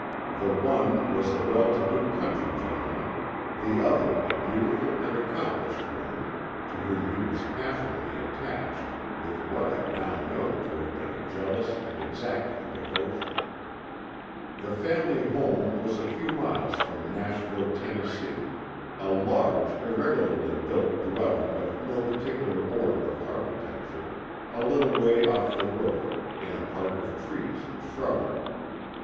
The one was a well to do country gentleman, the other a beautiful and accomplished woman to whom he was passionately attached with what I now know to have been a jealous and exacting devotion. The family home was a few miles from Nashville, Tennessee, a large, irregularly built dwelling of no particular order of architecture, a little way off the road, in a park of trees and shrubbery.